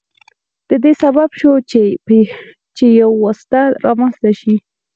د دې سبب شو چې یو واسطه رامنځته شي.